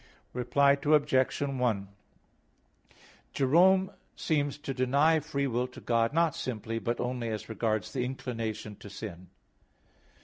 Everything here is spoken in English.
Reply Obj. 1: Jerome seems to deny free will to God not simply, but only as regards the inclination to sin.